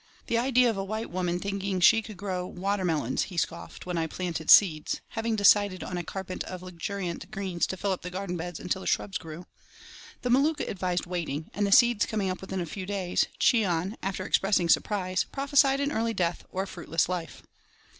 "The idea of a white woman thinking she could grow water melons," he scoffed, when I planted seeds, having decided on a carpet of luxuriant green to fill up the garden beds until the shrubs grew. The Maluka advised "waiting," and the seeds coming up within a few days, Cheon, after expressing surprise, prophesied an early death or a fruitless life.